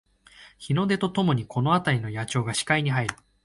日の出とともにこのあたりの野鳥が視界に入る